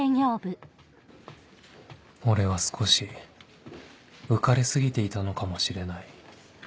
俺は少し浮かれ過ぎていたのかもしれない